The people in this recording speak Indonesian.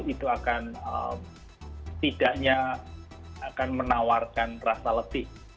itu akan tidaknya akan menawarkan rasa letih di pandemi ini